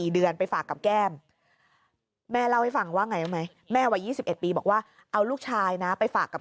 เดือนไปฝากกับแก้มแม่เล่าให้ฟังว่าไงรู้ไหมแม่วัย๒๑ปีบอกว่าเอาลูกชายนะไปฝากกับ